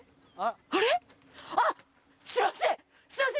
あれ？